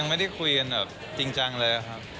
ไม่ได้คุยกันแบบจริงจังเลยครับ